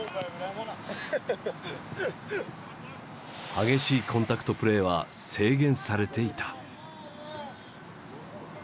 激しいコンタクトプレーは制限されていた。